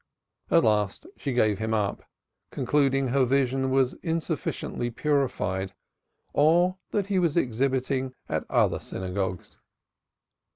At last she gave him up, concluding her vision was insufficiently purified or that he was exhibiting at other synagogues.